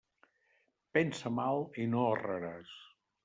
Pensa mal i no erraràs.